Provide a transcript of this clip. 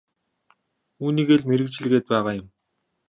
Үүнийгээ л мэргэжил гээд байгаа юм.